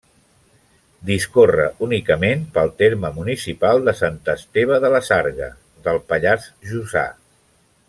Discorre únicament pel terme municipal de Sant Esteve de la Sarga, del Pallars Jussà.